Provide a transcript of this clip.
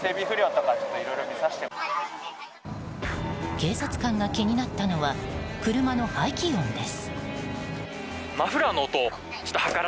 警察官が気になったのは車の排気音です。